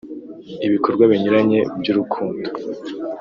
Ibikorwa binyuranye by ‘urukundo .